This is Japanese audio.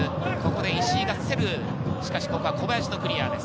石井がせる、ここは小林のクリアです。